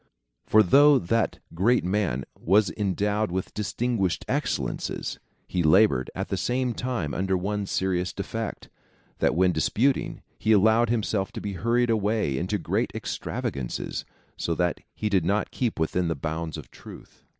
For though that great man was endowed Avith distinguished excellences, he laboured, at the same time, under one serious defect, that when disputing he allowed himself to be hurried away into great extravagancies, so that he did not keep within the bounds of truth.